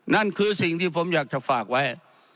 นั่นคือสิ่งที่ผมอยากจะฝากไว้